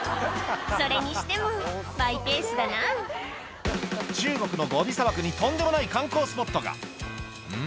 それにしてもマイペースだな中国のゴビ砂漠にとんでもない観光スポットがん？